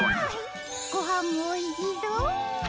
ごはんもおいしそう！